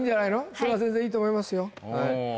それはそれでいいと思いますよ